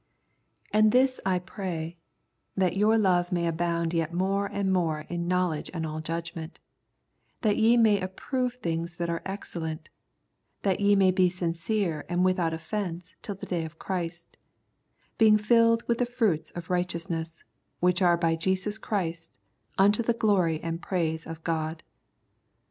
And this I pray, that your love may abound yet more and more In knowledge and all judgment : that ye may approve things that are excellent ; that ye may be sincere and without offence till the day of Christ ; being filled with the fruits of righteousness, which are by Jesus Christ, unto the glory and praise of God."